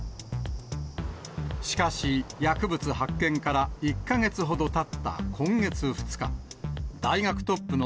しかし、薬物発見から１か月ほどたった今月２日、大学トップの